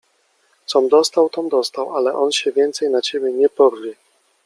— Com dostał, tom dostał, ale on się więcej na ciebie nie porwie.